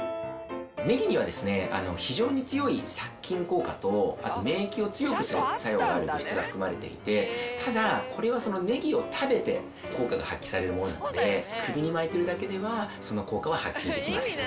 ねぎには非常に強い殺菌効果と、免疫を強くする作用がある物質が含まれていて、ただ、これはそのねぎを食べて効果が発揮されるものなので、首に巻いてるだけでは、その効果は発揮できません。